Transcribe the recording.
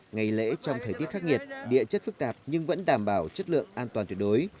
ngày lễ trong thời tiết khắc nghiệt địa chất phức tạp nhưng vẫn đảm bảo chất lượng an toàn tuyệt đối